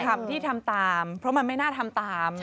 ทำที่ทำตามเพราะมันไม่น่าทำตาม